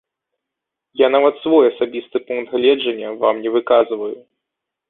Я нават свой асабісты пункт гледжання вам не выказваю.